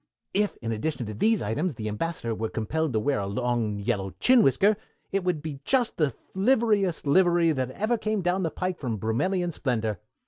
If in addition to these items the Ambassador were compelled to wear a long, yellow chin whisker, it would be just the liverest livery that ever came down the pike of Brummelian splendor.